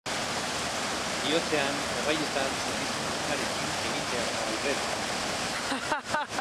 Bihotzean, erraietan, sentitzen duzunarekin egin behar da aurrera.